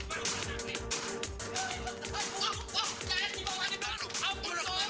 wah nyayang di bawah anjing itu ampun soalnya